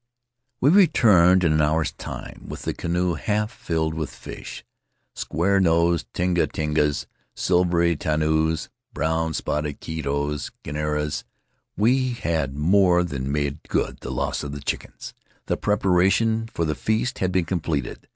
We returned in an hour's time with the canoe half filled with fish — square nosed tinga tingas, silvery ta in ares, brown spotted Jdtos, gnareas; we had more than made good the loss of the chickens. The prepara tions for the feast had been completed.